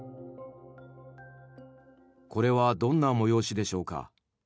これはどんな催しでしょうか？